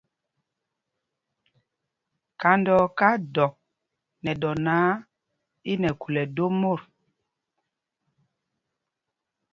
Kándɔɔká dɔk nɛ dɔ náǎ, í nɛ khūl ɛdó mot.